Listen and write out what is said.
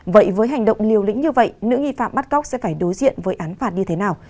vậy với hành động liều lĩnh như vậy nữ nghi phạm bắt cóc sẽ phải đối diện với án phạt như thế nào